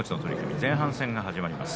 前半戦が始まります。